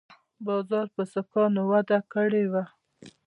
بازار په سیکانو وده کړې وه